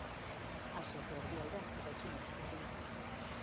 Asiako erdialdean eta Txinan bizi dira.